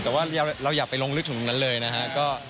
แต่ว่าเราอยากไปลงลึกของนั้นเลยนะครับ